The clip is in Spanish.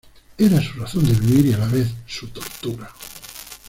Era su razón de vivir y a la vez su tortura.